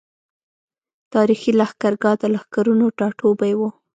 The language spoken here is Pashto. تاريخي لښکرګاه د لښکرونو ټاټوبی وو۔